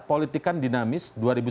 politik kan dinamis